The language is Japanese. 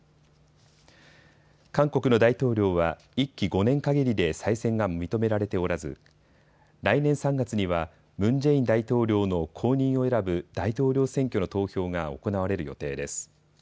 韓国の大統領は１期５年かぎりで再選が認められておらず来年３月にはムン・ジェイン大統領の後任を選ぶ大統領選挙の投票が行われる予定です。